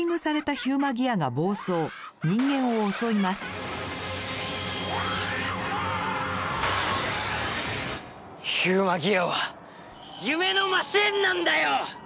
ヒューマギアは夢のマシーンなんだよ！